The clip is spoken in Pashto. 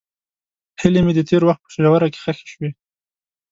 هیلې مې د تېر وخت په ژوره کې ښخې شوې.